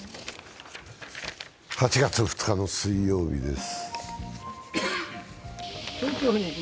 ８月２日の水曜日です。